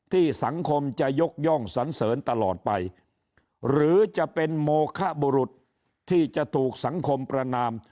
สังคมจะยกย่องสันเสริญตลอดไปหรือจะเป็นโมคบุรุษที่จะถูกสังคมประนาม